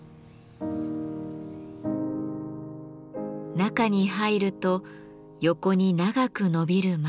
中に入ると横に長くのびる窓。